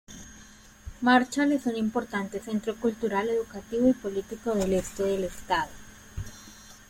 Marshall es un importante centro cultural, educativo, y político del este del estado.